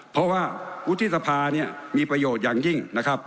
เพราะว่าวุฒิสภาเนี่ยมีประโยชน์อย่างยิ่งนะครับ